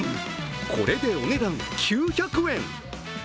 これで、お値段９００円。